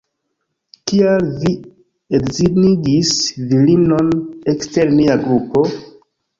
Kial vi edzinigis virinon ekster nia grupo?